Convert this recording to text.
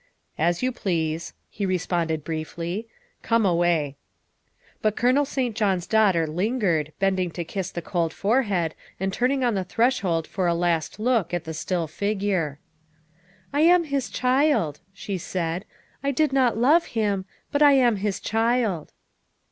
"As you please," he responded briefly. " Come away. '' But Colonel St. John's daughter lingered, bending to kiss the cold forehead and turning on the threshold for a last look at the still figure. " I am his child," she said, " I did not love him but I am his child."